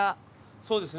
そうですね。